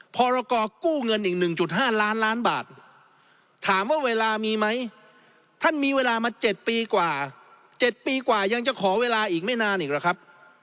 พรกู้เงินอีก๑๕ล้านล้านบาทถามว่าเวลามีไหมท่านมีเวลามา๗ปีกว่า๗ปีกว่ายังจะขอเวลาอีกไม่นานอีกหรือครับ